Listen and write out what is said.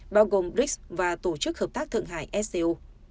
bao gồm brics và tổ chức hợp tác thượng hải sco